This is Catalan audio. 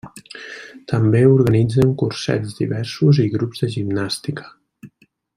També organitzen cursets diversos i grups de gimnàstica.